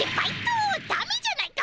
だめじゃないか！